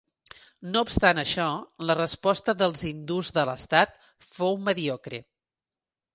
No obstant això, la resposta dels hindús de l'estat fou mediocre.